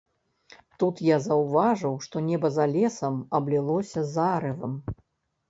Тут я заўважыў, што неба за лесам аблілося зарывам.